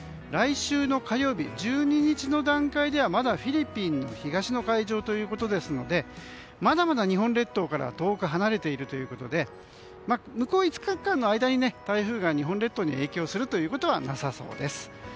来週の火曜日１２日の段階ではまだフィリピンの東の海上ということですのでまだまだ日本列島からは遠く離れているということで向こう５日間の間に台風が日本列島に影響するということはなさそうです。